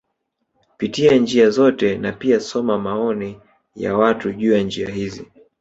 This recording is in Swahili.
Pitia njia zote na pia soma maoni ya watu juu ya njia hizi